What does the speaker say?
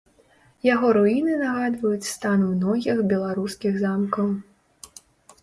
Яго руіны нагадваюць стан многіх беларускіх замкаў.